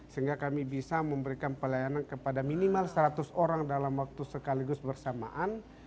sehingga kami bisa memberikan pelayanan kepada minimal seratus orang dalam waktu sekaligus bersamaan